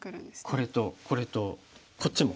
これとこれとこっちも？